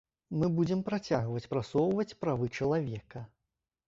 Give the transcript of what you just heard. Мы будзем працягваць прасоўваць правы чалавека.